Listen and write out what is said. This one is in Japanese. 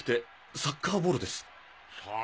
サッカーボール？